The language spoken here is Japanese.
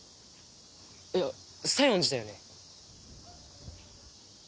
いや西園寺だよね？